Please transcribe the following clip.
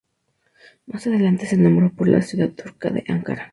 Más adelante se nombró por la ciudad turca de Ankara.